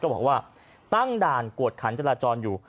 บอกว่าตั้งด่านกวดขันจราจรอยู่